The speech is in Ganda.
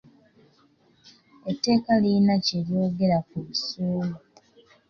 Etteeka lirina kye lyogera ku busuulu.